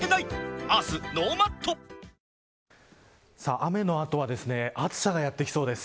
雨の後は暑さがやってきそうです。